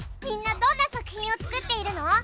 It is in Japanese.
みんなどんな作品を作っているの？